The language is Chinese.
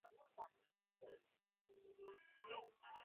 蒙自砂仁为姜科豆蔻属下的一个种。